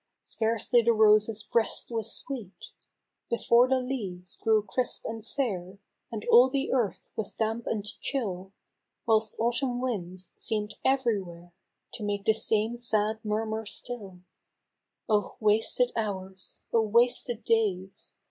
Scarcely the rose's breast was sweet, Before the leaves grew crisp and sere, And all the earth was damp and chill. Whilst Autumn winds seemed ev'ry where To make the same sad murmur still —*' Oh ! wasted hours ! oh ! wasted days